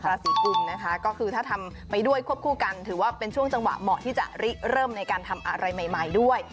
ราศีกุมนะคะก็คือถ้าทำไปด้วยควบคู่กันถือว่าเป็นช่วงจังหวะเหมาะที่จะเริ่มในการทำอะไรใหม่ด้วย